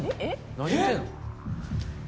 何言うてんの？